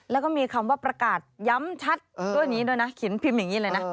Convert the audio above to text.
แล้วก็มีคำว่าประกาศย้ำชัดด้วยนี้ด้วยนะเขียนพิมพ์อย่างนี้เลยนะ